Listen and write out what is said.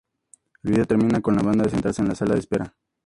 El video termina con la banda de sentarse en la sala de espera.